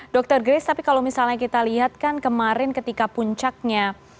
dr grace tapi kalau misalnya kita lihat kan kemarin ketika puncaknya